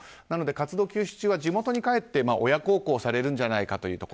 なので活動休止中は地元に帰って親孝行されるんじゃないか。